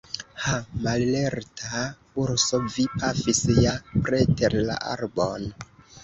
Ha, mallerta urso, vi pafis ja preter la arbon!